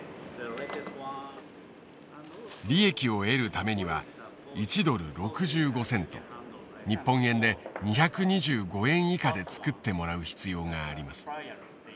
利益を得るためには１ドル６５セント日本円で２２５円以下で作ってもらう必要があります。